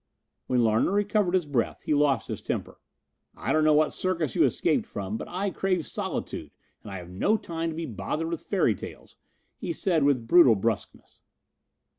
When Larner recovered his breath, he lost his temper. "I don't know what circus you escaped from, but I crave solitude and I have no time to be bothered with fairy tales," he said with brutal bruskness.